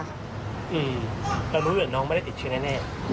แล้วนู้นว่าน้องไม่ได้ติดเชื้อแน่